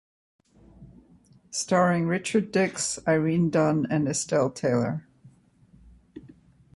Starring Richard Dix, Irene Dunne and Estelle Taylor.